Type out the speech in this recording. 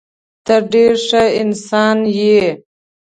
ته ډېر ښه انسان یې.